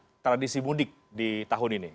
tidak ada tradisi mudik di tahun ini